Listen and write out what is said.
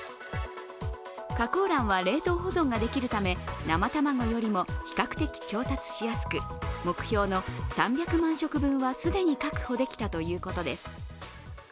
加工卵は冷凍保存ができるため、生卵よりも比較的調達しやすく目標の３００万食分は既に確保できたということです。